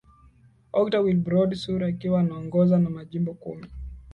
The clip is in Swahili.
okta wilbrod sur akiwa anaongoza na majimbo kumi